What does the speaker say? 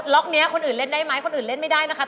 นี้คนอื่นเล่นได้ไหมคนอื่นเล่นไม่ได้นะคะ